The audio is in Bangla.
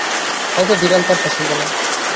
হয়তো বিড়াল তার পছন্দ না।